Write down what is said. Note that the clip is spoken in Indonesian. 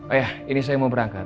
ayah ini saya mau berangkat